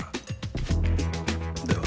では。